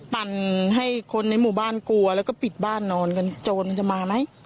ปั่นให้คนในหมู่บ้านกลัวแล้วก็ปิดบ้านนอนกันโจรมันจะมาไหม